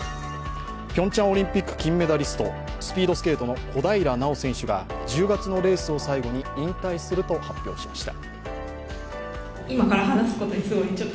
ピョンチャンオリンピック金メダリスト、スピードスケートの小平奈緒選手が１０月のレースを最後に引退すると発表しました。